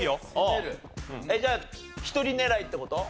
じゃあ１人狙いって事？